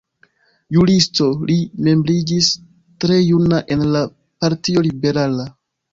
Juristo, li membriĝis tre juna en la Partio Liberala.